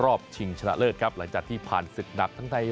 ชิงชนะเลิศครับหลังจากที่ผ่านศึกหนักทั้งไทย